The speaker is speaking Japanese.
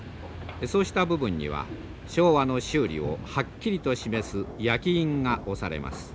そうした部分には昭和の修理をはっきりと示す焼き印が押されます。